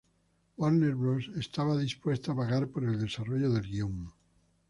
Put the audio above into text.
Warner Bros estaba dispuesta a pagar para el desarrollo del guion.